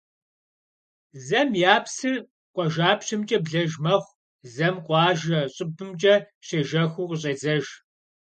Зэм я псыр къуажапщэмкӀэ блэж мэхъу, зэм къуажэ щӀыбымкӀэ щежэхыу къыщӀедзыж.